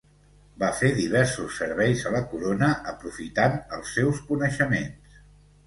Va fer diversos serveis a la corona aprofitant els seus coneixements.